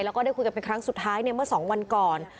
แล้วก็ได้คุยกันเป็นครั้งสุดท้ายเมื่อ๒วันก่อน